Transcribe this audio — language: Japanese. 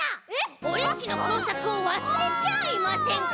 オレっちの工作をわすれちゃあいませんか？